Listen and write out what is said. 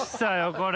これ。